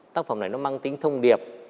tác phẩm này nó mang tính thông điệp